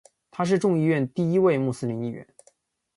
他是众议院第一位穆斯林议员。